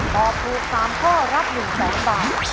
ตอบถูก๓ข้อรับ๑๐๐๐บาท